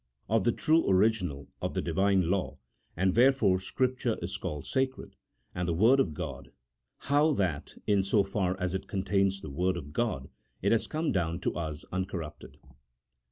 OF THE TRUE ORIGINAL OF THE DIVINE LAW, AND WHERE FORE SCRIPTURE IS CALLED SACRED, AND THE WORD OF GOD. HOW THAT, IN SO FAR AS IT CONTAINS THE WORD OF GOD, IT HAS COME DOWN TO US UNCORRUPTED.